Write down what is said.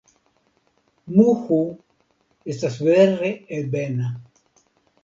Muhu estas vere ebena.